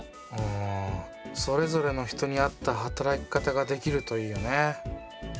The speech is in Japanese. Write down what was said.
うんそれぞれの人に合った働き方ができるといいよね。